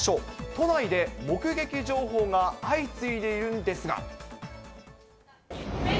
都内で目撃情報が相次いでいるんですが。